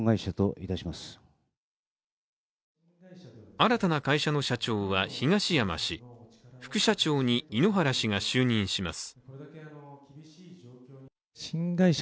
新たな会社の社長は東山氏副社長に井ノ原氏が就任します。